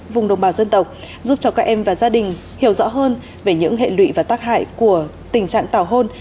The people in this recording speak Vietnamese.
vùng đồng bào dân tộc giúp cho các em và gia đình hiểu rõ hơn về những hệ lụy và tác hại của tình trạng tàu hôn